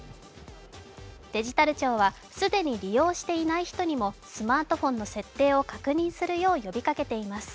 デジタル庁は既に利用していない人にもスマートフォンの設定を確認するよう呼びかけています。